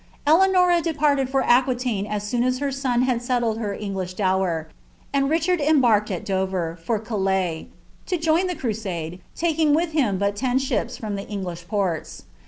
Eleanora departed for Aquitaine as soon as her son had settled her ngiish dower, and Richard embarked at Dover, for Calais, to join the iMule, taking with him but ten ships from the English ports.